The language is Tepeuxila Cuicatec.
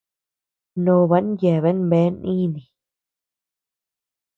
Noban yeabean bea niini.